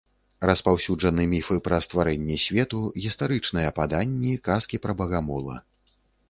Распаўсюджаны міфы пра стварэнне свету, гістарычныя паданні, казкі пра багамола.